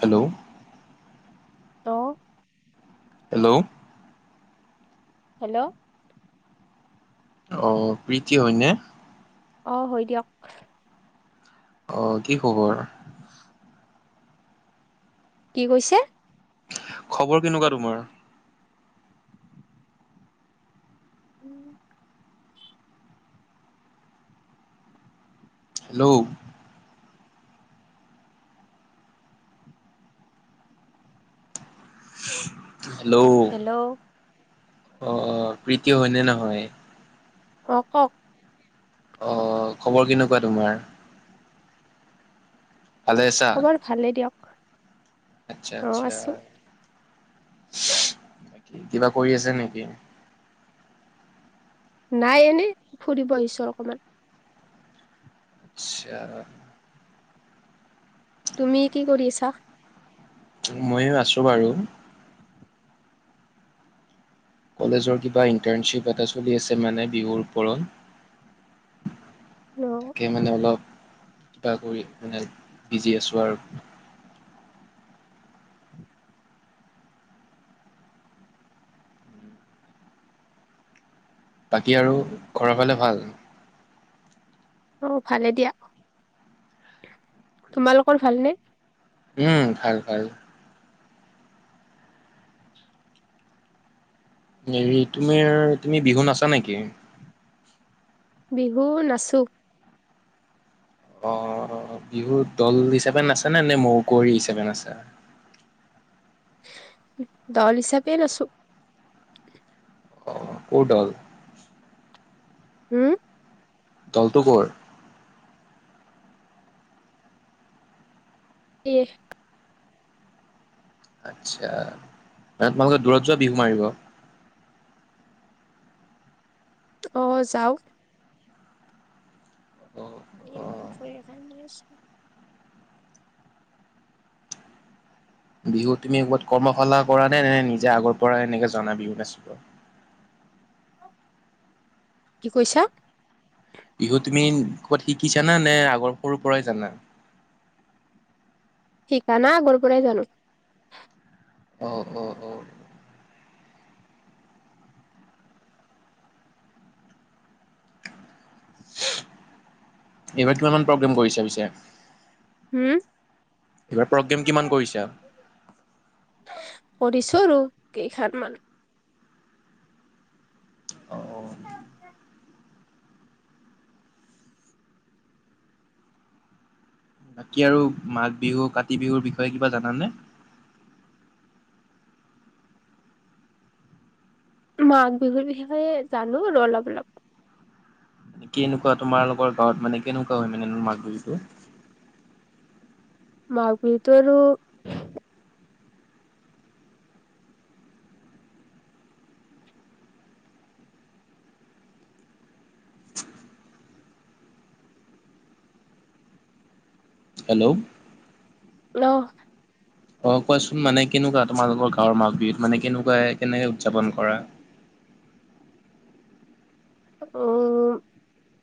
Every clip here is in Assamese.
হেল্ল' তো হেল্ল' হেল্ল' অ প্ৰীতি হয়নে? অ হয় দিয়ক। অ কি খবৰ। কি কৈছে? খবৰ কেনেকোৱা তোমাৰ? [inaudible] হেল্ল' হেল্ল' অ হেল্ল' অ প্ৰীতি হয়নে নহয়? হক হক অ খবৰ কেনেকোৱা তোমাৰ। ভালেই আছা খবৰ ভালে দিয়ক আচ্ছা অ আচ্ছা। আছো [unintelligible] কিবা কৰি আছে নেকি? নাই এনে ফুৰিব আহিছো অকমান। আচ্ছা তুমি কি কৰি আছা? মই আছো বাৰু। কলেজৰ কিবা ইণ্টাৰ্ণশ্বিপ এটা চলি আছে মানে বিহুৰ ওপৰত - হেল্ল' তাকে মানে অলপ কিবা কৰি মানে বিজি আছো আৰু। বাকী আৰু ঘৰৰ ফালে ভাল? অ ভালে দিয়া, তোমালোকৰ ভালনে? উম, ভাল ভাল। হেৰি তোমাৰ তুমি বিহু নাছা নেকি? বিহু নাচো। অ বিহুত দল হিচাপে নাচা নে, এনে মৌ কুৱৰী হিচাপে নাচা? দল হিচাপে নাচো। অ, ক'ৰ দল? উম দলটো ক'ৰ? দিয়ে। আচ্ছা, তাত মানে তোমালোকে দূৰত যোৱা বিহু মাৰিব? অ যাওঁ। অ' অ' [unintelligible] বিহু তুমি ক'ৰবাত কৰ্মশালা কৰা নে নে নিজে আগৰ পৰা এনেকে জনা বিহু নাচিব? কি কৈছা? বিহু তুমি ক'ৰবাত শিকিছা নে আগৰ সৰুৰ পৰাই জানা? শিকা নাই আগৰ পৰাই জানো। অ, অ, অ। এইবাৰ কিমান মান প্ৰগ্ৰেম কৰিছে পিছে? হু, এইবাৰ প্ৰগ্ৰেম কিমান কৰিছা? কৰিছো আৰু কেইখন মান। অ, অ বাকী আৰু মাঘ বিহু কাতি বিহুৰ বিষয়ে কিবা জানা নে? মাঘ বিহুৰ বিষয়ে জানো আৰু অলপ অলপ। কি এনেকুৱা তোমালোকৰ গাঁৱত মানে কেনেকুৱা হয় মানে মাঘ বিহুটো? মাঘ বিহুতো আৰু - হেল্ল', হেল্ল, [unintelligible] অ, কোৱাচোন মানে কেনেকুৱা তোমালোকৰ গাঁৱৰ মাঘ বিহুত মানে কেনেকুৱা কেনেকে উদযাপন কৰা। উম,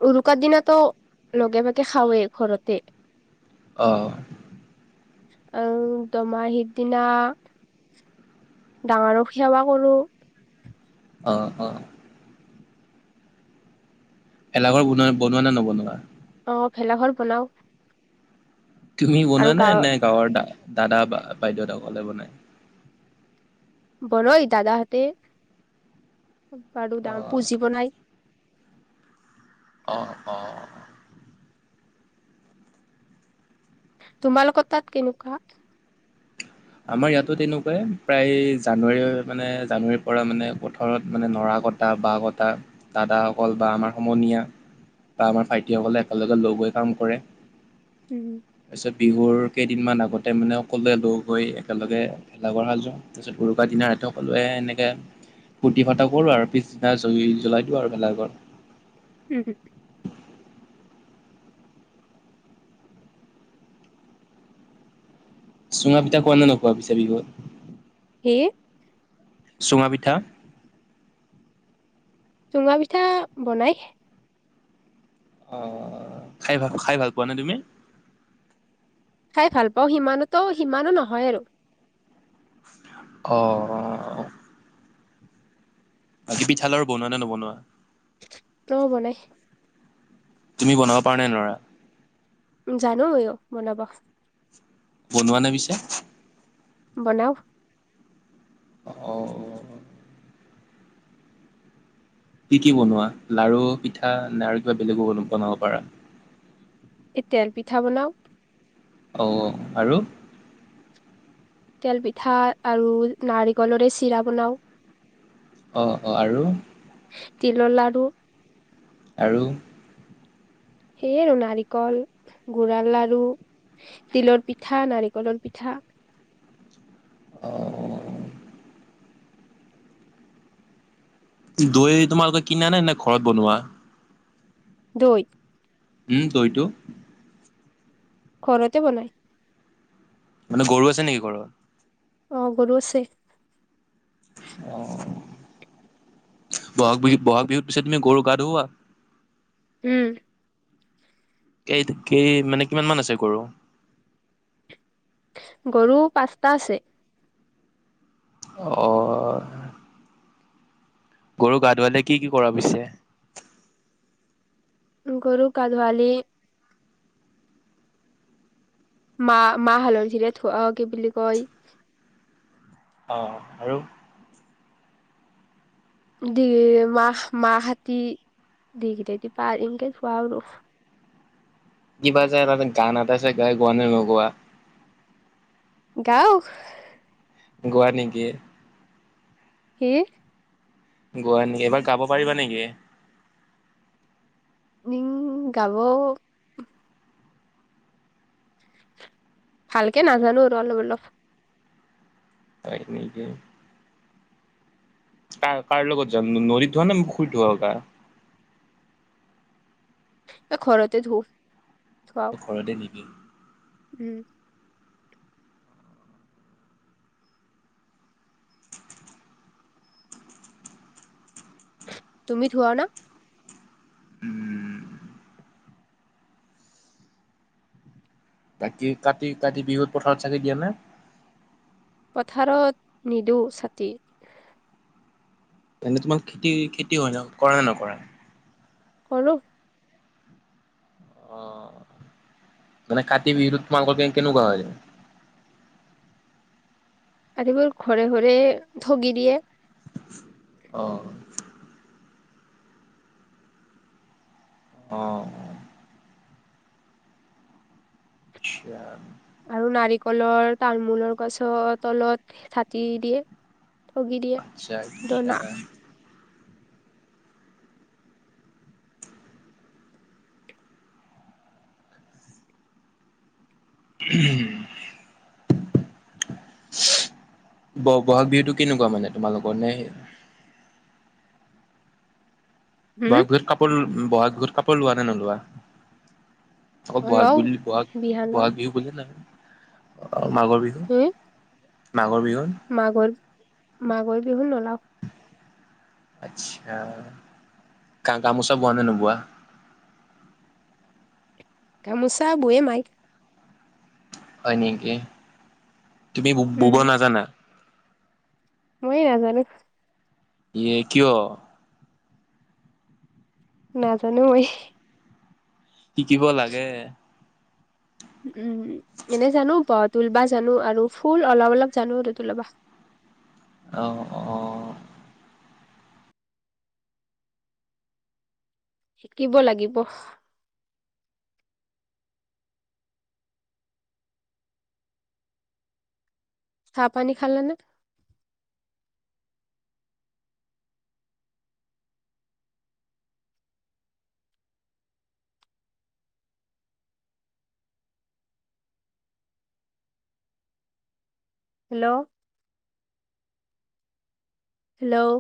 উৰুকাৰ দিনাটো লগে ভাগে খাওেই ঘৰতে। অঁ, আহ দুমাহীৰ দিনা - ডাঙৰক সেৱা কৰোঁ। অ, অ ভেলাঘৰ বনোৱা বনোৱা নে নবনোৱা? অ ভেলাঘৰ বনাওঁ। তুমি বনোৱা নে? গাঁৱ নে গাঁৱৰ দা দাদা বাইদেউ সকলে বনাই? বৰয় দাদাহঁতে বাৰু অ ডাঙৰ পুজি বনাই। অ, অ। তোমালোকৰ তাত কেনেকুৱা? আমাৰ ইয়াতো তেনেকুৱাই প্ৰায় জানুৱাৰী মানে জানুৱাৰীৰ পৰা মানে পথাৰত মানে নৰা কটা। তাৰপা আকৌ বাঁহ কটা দাদাসকল বা আমাৰ সমনীয়া বা আমাৰ ভাইটিসকলে একেলগে লগ হৈ কাম কৰে। উম, তাৰপিছত বিহুৰ কেইদিনমান আগতে মানে সকলোৱে লগ- হৈ একেলগে ভেলাঘৰ সাজু, তাৰপিছত উৰুকাৰ দিন ৰাতি সকলোৱে এনেকৈ- ফূতি-ফাৰ্তা কৰোঁ আৰু পিছদিনা জ জ্বলাই দিওঁ আৰু ভেলাঘৰ। উম হু, চুঙা পিঠা খোৱা নোখোৱা পিছে বিহুত? হে চুঙা পিঠা, চুঙা পিঠা বনাই। অ' খাই ভা খাই ভাল পোৱা নে তুমি? খাই ভাল পাওঁ, সিমানোতো সিমানো নহয় আৰু। অঁ বাকী পিঠা-লাৰু বনোৱা নে নবনোৱা? অ বনাই। তুমি বনাব পাৰ নে নোৱাৰা? জানো ময়ো বনাব। বনোৱা নে পিছে? বনাও। অ'। কি কি বনোৱা লাৰু, পিঠা নে আৰু কিবা বেলেগো বনাব পাৰা? এ তেল পিঠা বনাও। অ' আৰু? তেল পিঠা আৰু নাৰিকলৰে চিৰা বনাও। অ'-অ' আৰু? তিলৰ লাডু আৰু? সেয়ে আৰু নাৰিকল, গুড়াৰ লাৰু। তিলৰ পিঠা, নাৰিকলৰ পিঠা। অ'। দৈ তোমালোকে কিনা নে নাই ঘৰত বনোৱা? দৈ? উম, দৈ টো? ঘৰতে বনাই। মানে গৰু আছে নেকি ঘৰৰ? অ', গৰু আছে। অ' ব'হাগ বিহু, ব'হাগ বিহুত পিছে তুমি গৰু গা ধুওৱা? উম। কেই-কেই মানে কিমান মান আছে গৰু? গৰু পাঁচটা আছে। অ'। গৰু গা ধুৱালে কি কি কৰা পিছে? গৰু গা ধুৱালে মা-মাহ হালধীৰে ধোৱা কি বুলি কয় অ', আৰু? দি মাহ-মাহতি, দিঘটতি পা এনকে ধোৱাও আৰু। কিবা যে এটা যে গান এটা যে গাই গোৱা নে নোগোৱা? গাও। গোৱা নেকি? কি? গোৱা নেকি? এবাৰ গাব পাৰিবা নেকি? উম, গাব ভালকে নাজানোঁ‌ আৰু অলপ-অলপ। হয় নেকি? কাৰ, কাৰ লগত যাম, নদীত ধুৱা নে পুখুৰীত ধুৱাও গা? এ, ঘৰতে ধু। ধুৱাও ঘৰতে নেকি? উম। তুমি ধুৱা না? উম। বাকী, কাতি-কাতি বিহুত পথাৰত চাকি দিয়া নে? পথাৰত নিদিওঁ চাকি। তেন্তে তোমাৰ খেতি-খেতি কৰা নে নকৰা? কৰোঁ। অহ, মানে কাতি বিহুত তোমালোকৰ কেনেকুৱা হয়? কাতি বিহুত ঘৰে-ঘৰে ঠগি দিয়ে। অহ। অঁহ। আচ্ছা। আৰু নাৰিকলৰ, তাৰমোলৰ গছৰ তলত চাকি দিয়ে। ঠগি দিয়ে। আচ্ছা, আচ্ছা। উম। ব' ব'হাগ বিহুতটো কেনেকুৱা মানে তোমালোকৰ নে- হম ব'হাগ বিহুত কাপোৰ, ব'হাগ বিহুত কাপোৰ লোৱা নে নোলোৱা? অকল ব'হাগ লওঁ বিহুৰ, বিহান লওঁ ব'হাগ বিহুৰ- অহ, মাঘৰ বিহু, মাঘৰ বিহু। মাঘৰ-মাঘৰ বিহুত নলওঁ। আচ্ছা। গা- গামোচা বোৱা নে নোবোৱা? গামোচা বয়ে মাই। হয় নেকি? তুমি ব'ব উম নাজানা? মই নাজানো। ইয়ে কিয়? নাজানোয়েই। শিকিব লাগে। উমঁ। এনেই জানো ব' তুলিব জানো আৰু ফুল অলপ-অলপ জানো তুলিব। অঁহ, অঁহ। শিকিব লাগিব। চাহ-পানী খালে নে? হেল্ল'। হেল্ল'।